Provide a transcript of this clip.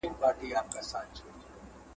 په قسمت کي بری زما وو رسېدلی.